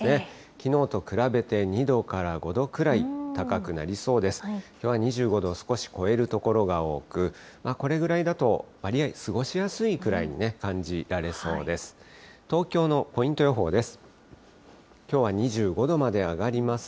きょうは２５度を少し超える所が多く、これぐらいだと、わりあい過ごしやすいくらいに感じられそうです。